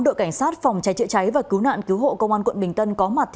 đội cảnh sát phòng cháy chữa cháy và cứu nạn cứu hộ công an quận bình tân có mặt